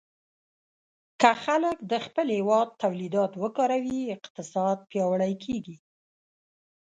که خلک د خپل هېواد تولیدات وکاروي، اقتصاد پیاوړی کېږي.